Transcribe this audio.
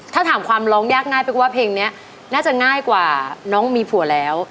ถ้าถามความร้องยากง่ายเป๊กว่าเพลงนี้น่าจะง่ายกว่าน้องมีผัวแล้ว